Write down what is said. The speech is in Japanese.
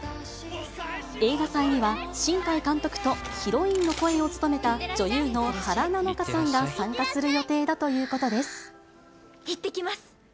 映画祭には、新海監督と、ヒロインの声を務めた女優の原菜乃華さんが参加する予定だといういってきます。